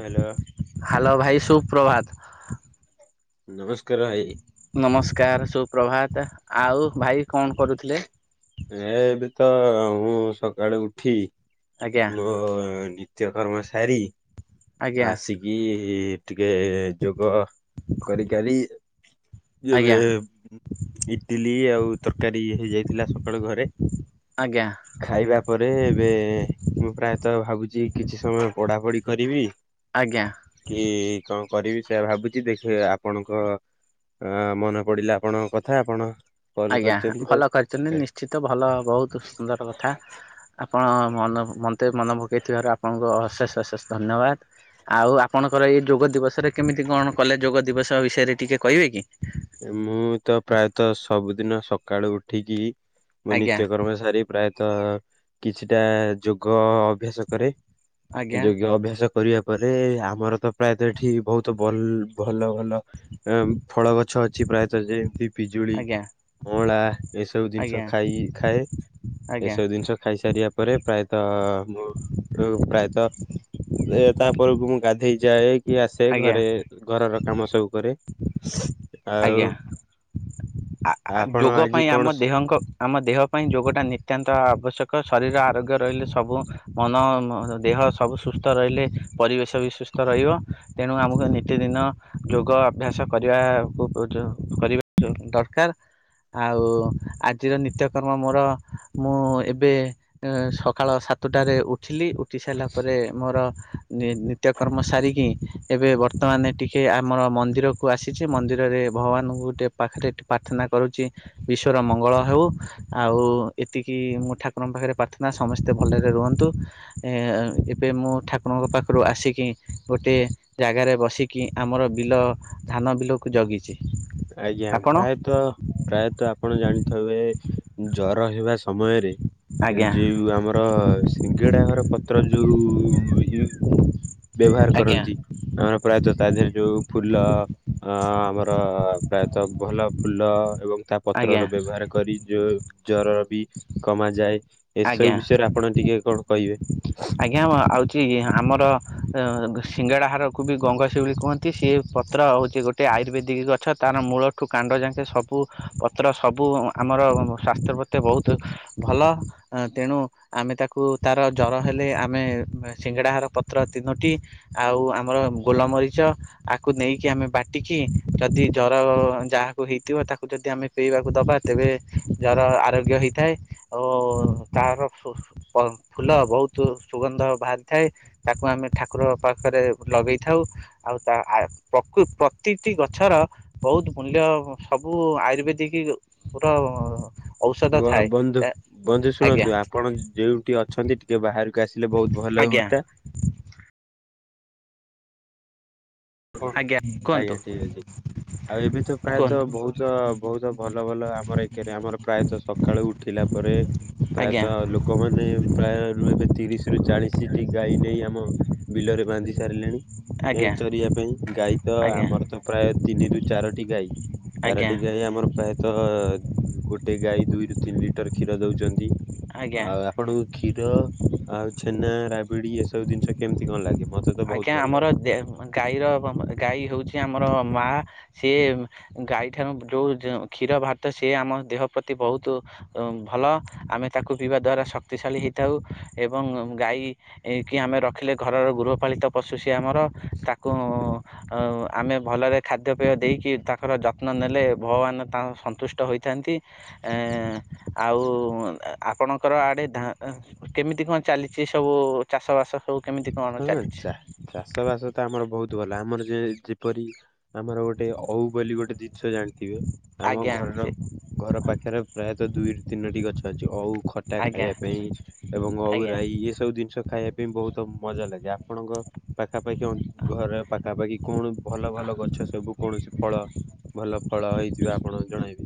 Hello. Hello ଭାଇ ସୁପ୍ରଭାତ। ନମସ୍କାର ଭାଇ। ନମସ୍କାର ସୁପ୍ରଭାତ ଆଉ ଭାଇ କଣ କରୁଥିଲେ। ଏ ଏବେ ତ ମୁଁ ସକାଳୁ ଉଠି। ଆଜ୍ଞା ମୋ ନିତ୍ୟ କର୍ମ ସାରୀ ଆଜ୍ଞା ଆସି କି ଟିକେ ଯୋଗ କରିକାରି ଏବେ ଆଜ୍ଞା ଇଟିଲୀ ଆଉ ତ ଇଏ ହେଇ ଯାଇଥିଲା ସକାଳୁ ଘରେ। ଆଜ୍ଞା ଖାଇବା ପରେ ଏବେ ମୁଁ ପ୍ରାୟତଃ ଭାବୁଛି କିଛି ସମୟ ପଢାପଢି କରିବି। ଆଜ୍ଞା। କି କଣ କରିବି ସେୟା ଭାବୁଛି ଦେଖ ଆପଣଙ୍କର। ହ ମନେ ପଡିଲା ଆପଣଙ୍କ କଥା ଆପଣ କଲ୍ ଆଜ୍ଞା କରିଛନ୍ତି ଭଲ କରିଛନ୍ତି ଆଉ ନି କିଛି ତ ଭଲ ବହୁତ ସୁନ୍ଦର କଥା ଆପଣ ମନ ମତେ ମନେ ପକାଇଥିବାରୁ ଆପଣଙ୍କୁ ଅଶେଷ ଅଶେଷ ଧନ୍ୟବାଦ। ଆଉ ଆପଣଙ୍କର ଏଇ ଯୋଗ ଦିବସରେ କେମିତି କଣ କଲେ ଯୋଗ ଦିବସ ବିଷୟରେ ଟିକେ କହିବେ କି? ମୁଁ ତ ପ୍ରାୟତଃ ସବୁଦିନ ସକାଳୁ ଉଠିକି ମୋ ଆଜ୍ଞା ନିତ୍ୟକର୍ମ ସାରି ପ୍ରାୟତଃ କିଛିଟା ଯୋଗ ଅଭ୍ୟାସ କରେ। ଆଜ୍ଞା ଯୋଗ ଅଭ୍ୟାସ କରିବା ପରେ ଆମର ତ ପ୍ରାୟତଃ ଏଠି ବହୁତ ଭଲ ଭଲ ଭଲ ଫଳ ଗଛ ଅଛି ଅଛି ପ୍ରାୟତଃ ଯେମିତି ପିଜୁଳି ଆଜ୍ଞା ଅଁଳା ଏସବୁ ଜିନିଷ ଆଜ୍ଞା ଖାଇ ଖାଏ ଆଜ୍ଞା ଏସବୁ ଜିନିଷ ଖାଇସାରିବା ପରେ ପ୍ରାୟତଃ ମୁଁ ହୁ ପ୍ରାୟତଃ ଏ ତାପରକୁ ମୁଁ ଗାଧେଇ ଯାଏ କିଏ ଆସେ ଆଜ୍ଞା ଘରେ ଘରର କାମ ସବୁ କରେ ଆଉ ଆ ଆପଣ ଯୋଗ ଆଜି ପାଇଁ ଆମ କଣ ଦେହଙ୍କ ଆମ ଦେହ ପାଇଁ ଯୋଗ ଟା ନିତ୍ୟାନ୍ତ ଆବଶ୍ୟକ ଶରୀର ଆରୋଗ୍ୟ ରହିଲେ ସବୁ ମନ ଦେହ ସବୁ ସୁସ୍ଥ ରହିଲେ ପରିବେଶ ବି ସୁସ୍ଥ ରହିବ ତେଣୁ ଆମକୁ ନି- ପ୍ରତିଦିନ ଯୋଗ ଅଭ୍ୟାସ କରିବା କୁ କରିବା ଦରକାର। ଆଉ ଆଜିର ନିତ୍ୟକର୍ମ ମୋର ମୁଁ ଏବେ ସକାଳ ସାତଟାରେ ଉଠିଲି ଉଠି ସାରିଲା ପରେ ମୋର ନିତ୍ୟକର୍ମ ସାରିକି ଏବେ ବର୍ତ୍ତମାନ ଟିକେ ଆମର ମନ୍ଦିରକୁ ଆସି କିଛି ମନ୍ଦିରରେ ଭଗବାନଙ୍କୁ ଗୋଟିଏ ପାଖରେ ପ୍ରାର୍ଥନା କରୁଛି। ବିଶ୍ଵର ମଙ୍ଗଳ ହଉ ଆଉ ଏତିକି ମୁଁ ଠାକୁରଙ୍କ ପାଖରେ ପ୍ରାର୍ଥନା ସମସ୍ତେ ଭଲରେ ରୁହନ୍ତୁ। ଏ ଏବେ ମୁଁ ଠାକୁରଙ୍କ ପାଖରୁ ଆସିକି ଗୋଟିଏ ଜାଗାରେ ବସି କି ଆମର ବିଲ ଧାନ ବିଲକୁ ଜଗିଚି। ଆଜ୍ଞା ପ୍ରାୟତଃ ପ୍ରାୟତଃ ଆପଣ ଜାଣିଥବେ ଜର ହେବା ସମୟରେ ଆଜ୍ଞା ଯଉ ଆମର ସିଙ୍ଗେଡା ଘର ପତ୍ର ଯୋଉ ବ୍ୟବହାର ଆଜ୍ଞା କରନ୍ତି। ଆ ପ୍ରାୟତଃ ତା ଦେହରେ ଯୋଉ ଫୁଲ ଅ ଆମର ପ୍ରାୟତଃ ଭଲ ଫୁଲ ଏବଂ ତା ଆଜ୍ଞା ପତ୍ରର ବ୍ୟବହାର କରିଯୋଉ ଜର ବି କମା ଯାଏ। ଏସବୁ ଆଜ୍ଞା। ବିଷୟରେ ଆପଣ ଟିକେ କଣ କହିବେ। ଆଜ୍ଞା ଆଉଚି ଆମର ସିଙ୍ଗଡ଼ା ହାରକୁ ବି ଗଙ୍ଗ ଶିଉଳି କୁହନ୍ତି। ସିଏ ପତ୍ର ହେଉଛି ଗୋଟେ ଆୟୁର୍ବେଦିକ ଗଛ ତାର ର ମୂଳଠୁ କାଣ୍ଡ ଯାକେ ସବୁ ପତ୍ର ସବୁ ଆମର ସ୍ୱାସ୍ଥ୍ୟ ପ୍ରତି ବହୁତ ଭଲ ତେଣୁ ଆମେ ତାକୁ ତାର ଜ୍ଵର ହେଲେ ଆମେ ସିଙ୍ଗେଡ଼ାହାର ପତ୍ର ତିନୋଟି ଆଉ ଆମର ଗୋଲମରିଚ ଆକୁ ନେଇକି ଆମେ ବାଟିକି, ଯଦି ଜର ଯାହାକୁ ହେଇଥିବ, ତାକୁ ଯଦି ଆମେ ପିଇବାକୁ ଦବା ତେବେ ଜର ଆରୋଗ୍ୟ ହେଇଥାଏ। ଓ ତାର ସୁ ଓ ଫୁଲ ବହୁ ତୁ ସୁଗନ୍ଧ ବାହାରିଥାଏ, ତାକୁ ଆମେ ଠାକୁର ପାଖରେ ଲଗେଇଥାଉ। ଆଉ ତା ଆ, ପ୍ରକୃ ପ୍ରତିଟି ଗଛର ବହୁତ ମୂଲ୍ୟ ସବୁ ଆୟୁର୍ବେଦିକ ଓ, ର ଔଷଧ ଥାଏ ବ-ବନ୍ଧୁ ବନ୍ଧୁ ଆଜ୍ଞା ଶୁଣନ୍ତୁ ଆ କଣ ଯୋଉଠି ଅଛନ୍ତି ଟିକେ ବାହାରକୁ ଆସିଲେ ବହୁତ ଭଲ ଆଜ୍ଞା ହୁଅନ୍ତା। କଣ? ଆଜ୍ଞା କୁହନ୍ତୁ ଆଜ୍ଞା ଠିକ ଅଛି। ଆଉ ଏବେ ତ ପ୍ରାୟତ କୁହନ୍ତୁ ବହୁତ ବହୁତ ଭଲ ଭଲ ଆମର ଏକରେ ଆମର ପ୍ରାୟତ ସକାଳୁ ଉ ଠିଲା ପରେ ଆଜ୍ଞା ପ୍ରାୟତଃ ଲୋକମାନେ ପ୍ରାୟ ରୁ ଏବେ ତିରିଶ ରୁ ଚାଳିଶଟି ଗାଈ ନେଇ ଆମ ବିଲରେ ବାନ୍ଧି ସାରିଲେଣି। ଏ ଆଜ୍ଞା। ଚରିବା ପାଇଁ ଗାଈ ତ ଆଜ୍ଞା ଆମର ତ ପ୍ରାୟ ତିନି ରୁ ଚାରଟି ଗାଈ, ଆଜ୍ଞା ଚାରଟି ଗା ଗାଈ ଆମର ପ୍ରାୟତଃ ଗୋଟେ ଗାଈ ଦୁଇରୁ ତିନି ଲିଟର୍ କ୍ଷୀର ଦଉଚନ୍ତି। ଆଜ୍ଞା ଆଉ ଆପଣଙ୍କୁ କ୍ଷୀର ଆଉ ଛେନା, ରାବିଡି ଏସବୁ ଜିନିଷ କେମିତି କଣ ଲାଗେ? ମତେ ତ ବହୁତ ଆଜ୍ଞା ଭଲ ଲାଗେ। ଆମର ଦେ- ଗାଈର ଗାଈ ହଉଛି ଆମର ମା। ସିଏ ଉଁ, ଗାଈଠାରୁ ଯୋଉ ଯ-କ୍ଷୀର ଭାତ ସିଏ ଆମ ଦେହ ପ୍ରତି ବହୁତୁ ଅ, ଭଲ ଆମେ ତାକୁ ପିଇବା ଦ୍ୱାରା ଶକ୍ତିଶାଳୀ ହେଇଥାଉ। ଏବଂ ଗାଈ ଏଇ କି ଆମେ ରଖିଲେ ଘରର ଗୃହପାଳିତ ପଶୁ ସିଏ। ଆମର ତାକୁ ଆଉ ଆମେ ଭଲରେ ଖାଦ୍ୟପେୟ ଦେଇକି ତାଙ୍କର ଯତ୍ନ ନେଲେ, ଭଗବାନ ତାଙ୍କ ସନ୍ତୁଷ୍ଟ ହୋଇ ଥାନ୍ତି ଏଁ, ଆଉ ଉଁ, ଏ ଆପଣଙ୍କର ଆଡ଼େ ଧା-ଅ, କେମିତି କଣ ଚାଲିଛି ସବୁ ଚାଷବାସ ସବୁ କେମିତି କ ହଁ ଚା- ଚାଷ ବାସ ତ ଆମର ବହୁତ ଭଲ ଆମର ଯେ ଯେପରି ଆମର ଗୋଟେ ଓଉ ବୋଲି ଗୋଟେ ଜିନିଷ ଜାଣିଥିବେ? ଆମ ଆଜ୍ଞା ଘରର ସେ ଘର ପାଖେରେ ପ୍ରାୟତଃ ଦୁଇ ତିନୋଟି ଗଛ ଅଛି, ଓଉ ଖଟା ଆଜ୍ଞା ଖାଇବା ପାଇଁ ଏବଂ ଓଉ ଆଜ୍ଞା ରାଇ ଏସବୁ ଜିନିଷ ଖାଇବା ପାଇଁ ବହୁତ ମଜା ଲାଗେ ଆପଣଙ୍କ ପାଖାପାଖି ଅଁ, ଘରେ ପାଖାପାଖି କଣ ଭଲ ଭଲ ଗଛ ସବୁ କୌଣସି ଫଳ ଭଲ ଫଳ ହେଇଥିବ ଆପଣ ଜଣାଇ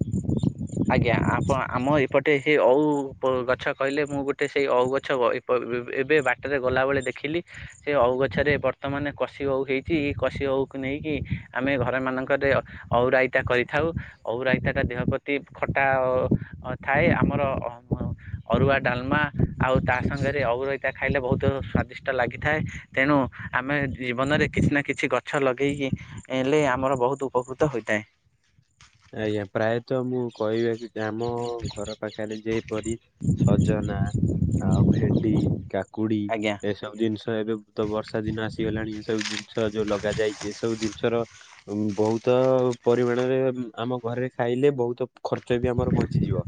ଆଜ୍ଞା ଆପ ଆମ ଏପଟେ ସେ ଓଉ ପ-ଗଛ କହିଲେ ମୁଁ ଗୋଟେ ସେଇ ଓଉ ଗଛ ବ ଏ ଅ, ବ- ଏବେ ବାଟରେ ଗଲାବେଳେ ଦେଖିଲି। ସେ ଓଉ ଗଛରେ ବର୍ତ୍ତମାନ କଷି ଓଉ ହେଇଚି, କଷି ଓଉକୁ ନେଇକି ଆମେ ଘର ମାନଙ୍କରେ ଅ ଓଉ ରାଇତା କରିଥାଉ, ଓଉ ରାଇତା ଟା ଦେହ ପ୍ରତ ତି ଖଟା ଅ, ଥାଏ, ଆମର ଅରୁଆ, ଡାଲମା ଆଉ ତା ସାଙ୍ଗରେ ଓଉ ରଇତା ଖାଇଲେ ବହୁତୁ ସ୍ଵାଦିଷ୍ଟ ଲାଗିଥାଏ। ତେଣୁ ଆମେ ଜୀବନରେ କିଛି ନା କିଛି ଗଛ ଲଗେଇ ହିଁ ଏ ଲେ- ଆମର ବହୁତୁ ଉପକୃତ ହୋଇଥାଏ। ଆଜ୍ଞା ପ୍ରାୟତଃ ମୁଁ କହିବା କି ଯେ ଆମ ଘର ପାଖରେ ଯେପରି ସଜନା ଆଉ ଭେଣ୍ଡି, କାକୁଡି ଆଜ୍ଞା। ଏସ୍ ସବୁ ଜିନିଷ ଏବେ ତ ବର୍ଷା ଦିନ ଆସିଗଲାଣି। ଏସବୁ ଜିନିଷ ଯୋଉ ଲଗା ଯାଇଛି ଏ ସବୁ ଜିନିଷର ଉଁ, ବହୁତ ପରିମାଣରେ ଉଁ ଆମ ଘରେ ଖାଇଲେ ବହୁତ ଖର୍ଚ୍ଚ ବି ଆମର ବଞ୍ଚିଯିବ।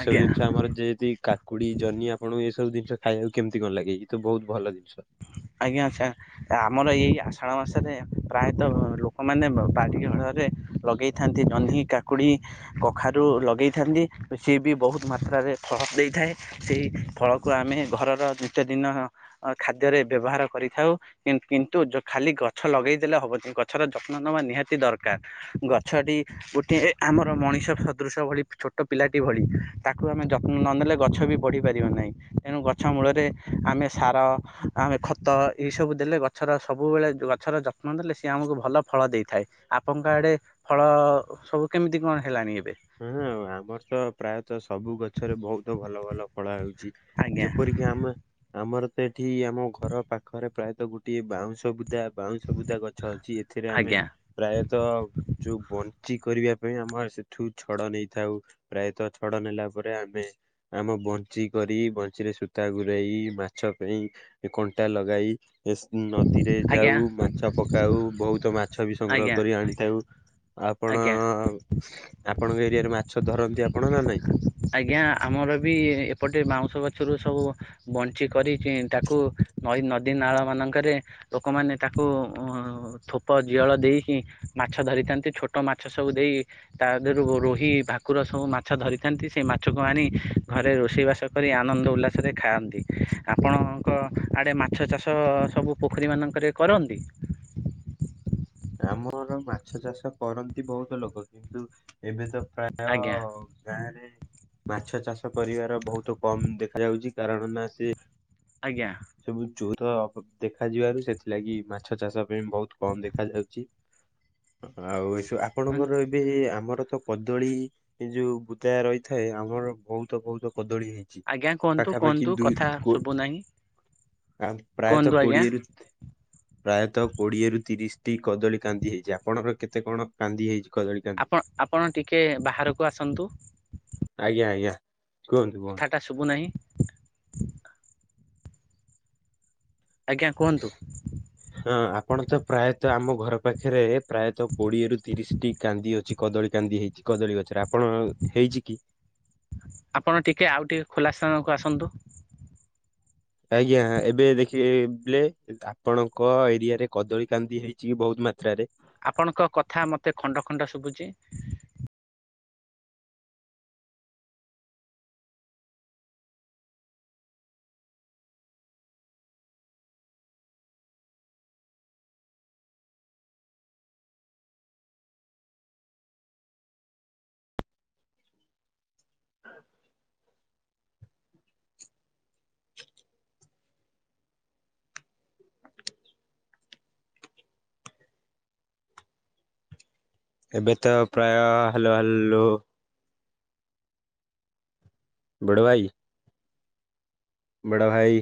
ଏସବୁ ଆଜ୍ଞା ଜିନିଷ ଆମର ଯେ ତି- କା କୁଡି, ଜନି ଆପଣଙ୍କୁ ଏସବୁ ଜିନିଷ ଖାଇବାକୁ କେମିତି କଣ ଲାଗେ? ଏଇ ତ ବହୁତ ଭଲ ଜିନିଷ। ଆଜ୍ଞା, ଆଚ୍ଛା। ଆମର ଏଇ ଆଷାଢ ମାସରେ ପ୍ରାୟତଃ ଲୋକମାନେ ବାଡ଼ି ଘରରେ ଲଗେଇ ଥାନ୍ତି ଜନ୍ହି, କାକୁଡ଼ି କଖାରୁ ଲଗେଇ ଥାନ୍ତି। ସିଏ ବି ବହୁତ ମାତ୍ରାରେ ଫଳ ଦେଇଥାଏ। ସେହି ଫଳକୁ ଆମେ ଘରର ନିତ୍ୟଦିନଃ ଖାଦ୍ୟରେ ବ୍ୟବହାର କରିଥାଉ। କିନ କିନ୍ତୁ ଯୋ ଖାଲି ଗଛ ଲଗେଇ ଦେଲେ ହବନି। ଗଛର ଯତ୍ନ ନବା ନିହାତି ଦରକାର। ଗଛଟି ଗୋଟିଏ ଆମର ମଣିଷ ସଦୃଶ ଭଳି ଛୋଟ ପିଲାଟି ଭଳି ତାକୁ ଆମେ ଯତ୍ନ ନନେଲେ ଗଛ ବି ବଢ଼ି ପାରିବ ନାହିଁ। ତେଣୁ ଗଛ ମୂଳରେ ଆମେ ସାର ଆମେ ଖତ ଏଇ ସବୁ ଦେଲେ ଗଛର ସବୁବେଳେ ଗଛର ଯତ୍ନ ନେଲେ ସିଏ ଆମକୁ ଭଲ ଫଳ ଦେଇଥାଏ। ଆପଣଙ୍କ ଆଡେ ଫଳ ଅ ଅ ସବୁ କେମିତି କଣ ହେଲାଣି ଏବେ? ହଁ ଆମର ତ ପ୍ରାୟତଃ ସବୁ ଗଛରେ ବହୁତୁ ଭଲ ଭଲ ଫଳ ଆଉଚି। ଆଜ୍ଞା ଯେପରିକି ଆମ ଆମର ତ ଏଠି ଆମ ଘର ପାଖରେ ପ୍ରାୟ ତ ଗୋଟଏ ବାଉଁଶ ବୁଦା ବାଉଁଶ ବୁଦା ଗଛ ଅଛି। ଏଥିରେ ଆମେ ଆଜ୍ଞା ପ୍ରାୟତଃ ଯଉ ବଞ୍ଚି କରିବା ପାଇଁ, ଆମ ସେଠୁ ଛଡ ନେଇ ଥାଉ ପ୍ରାୟତଃ ଛଡ ନେଲା ପରେ ଆମେ ଆମ ବଞ୍ଚି କରି ବଞ୍ଚି ରେ ସୂତା ଗୁୁରାଇ ମାଛ ପେଇଁ ଏ କଣ୍ଟା ଲଗାଇ ଏସ୍ ନଦୀରେ ଆଜ୍ଞା ଯାଉ ମାଛ ପକାଉ ବହୁତ ମାଛ ବି ସଂଗ୍ରହ ଆଜ୍ଞା କରି ଆଣିଥାଉ। ଆପଣ ଆଜ୍ଞା। ଅ ଅ ଆପଣଙ୍କ ଏରିଆରେ ମାଛ ଧରନ୍ତି ଆପଣ ନା ନାଇଁ? ଆଜ୍ଞା ଆମର ବି ଏପଟେ ବାଉଁଶ ଗଛରୁ ସବୁ ବନଂଶି କରିକି ତାକୁ ନଈ, ନଦୀ, ନାଳ ମାନଙ୍କରେ ଲୋକମାନେ ତାକୁ ଉଁ ହଁ ଥୋପ ଜିଅଳ ଦେଇକି ମାଛ ଧରିଥାନ୍ତି ଛୋଟ୍ ଛୋଟ ମାଛ ସବୁ ଦେଇ ତା ଦେହରୁ ରୋହି, ଭାକୁର ସବୁ ମାଛ ଧରିଥାନ୍ତି। ସେ ମାଛକୁ ଆଣି ଘରେ ରୋଷେଇ ବାସ କରି ଆନନ୍ଦ ଉଲ୍ଲାସରେ ଖାଆନ୍ତି। ଆପଣଙ୍କ ଆଡ଼େ ମାଛ ଚାଷ ସବୁ ପୋଖରୀ ମାନଙ୍କରେ କରନ୍ତି। ଆମର ଅର ମାଛ ଚାଷ କରନ୍ତି। ବହୁତ ଲୋକ କିନ୍ତୁ ଏବେ ତ ପ୍ରାୟ ଆଜ୍ଞା। ଗାଁରେ ମାଛ ଚାଷ କରିବାର ବହୁତ କମ ଦେଖାଯାଉଚି କାରଣ ନା ସେ ଆଜ୍ଞା। ସବୁ ଚୋର ଦେଖା ଯିବାରୁ ସେଥିଲାଗି ମାଛ ଛ ଚାଷ ପାଇଁ ବହୁତ୍ କମ ଦେଖାଯାଉଚି ଆଉ ଏସୁ ଆପଣଙ୍କର ଏ ବେ ଆମର ତ କଦଳୀ ଯୋଉ ବୁଦା ରହିଥାଏ ଆମର ବହୁତ ବହୁତ କଦଳୀ ହେ ଚି ଆଜ୍ଞା କୁହନ୍ତୁ ପାଖାପାଖି କୁହନ୍ତୁ ଦୁଇ କଥା କୋ ଶୁଭୁନାହିଁ ଆ କୁହନ୍ତୁ ପ୍ରାୟତଃ ଆଜ୍ଞା କୋଡିଏରୁ ପ୍ରାୟତଃ କୋଡିଏରୁ ତିରିଶଟି କଦଳୀ କାନ୍ଦି ହେଇଚି। ଆପଣଙ୍କର କେତେ କଣ କାନ୍ଦି ହେଇଚି? ଆପଣ ଆପଣ ଟିକେ ବାହାରକୁ ଆସନ୍ତୁ? ଆଜ୍ଞା ଆଜ୍ଞା କୁହନ୍ତୁ କୁହନ୍ତୁ। ଶୁବୁନାହିଁ। ଆଜ୍ଞା କୁହନ୍ତୁ। ହଁ ଆପଣ ତ ପ୍ରାୟତଃ ଆମ ଘର ପାଖରେ ପ୍ରାୟତଃ କୋଡିଏରୁୁ ତିରିଶଟି କାନ୍ଦି ଅଛି। କଦଳୀ କାନ୍ଦି ହେଇଚି କଦଳୀ ଗଛରେ ଆପଣ ହେଇଚି କି? ଆପଣ ଟିକେ ଆଉ ଟିକେ ଖୋଲା ସ୍ଥାନକୁ ଆସନ୍ତୁ। ଆଜ୍ଞା ଏବେ ଦେଖିବେ ପ୍ଲେ ଆପଣଙ୍କ ଏରିଆରେ କଦଳୀ କାନ୍ଦି ହେଇ ଚି ବହୁତ ମାତ୍ରାରେ। ଆପଣଙ୍କ କଥା ମୋତେ ଖଣ୍ଡ ଖଣ୍ଡ ଶୁବୁଚି। ଏବେ ତ ପ୍ରାୟ ହ୍ୟାଲୋ ହ୍ୟାଲୋ। ବଡ଼ଭାଇ। ବଡ଼ ଭାଇ।